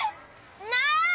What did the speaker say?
ない！